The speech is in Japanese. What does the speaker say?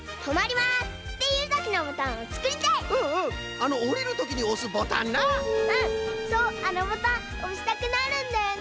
あのボタンおしたくなるんだよね！